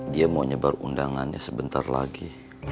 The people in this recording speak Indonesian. dia mau nyebar undangannya sebentar lagi